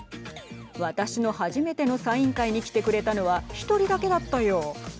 私の初めてのサイン会に来てくれたのは１人だけだったよ。